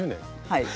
はい。